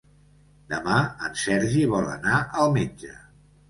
Demà en Sergi vol anar al metge.